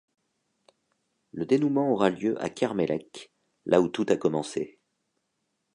Le dénouement aura lieu à Kermellec, là où tout a commencé.